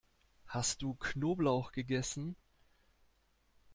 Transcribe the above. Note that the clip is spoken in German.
Hast du Knoblauch gegessen?